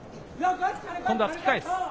今度は突き返す。